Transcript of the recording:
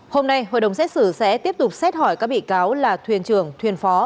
hôm nay hội đồng xét xử sẽ tiếp tục xét hỏi các bị cáo là thuyền trưởng thuyền phó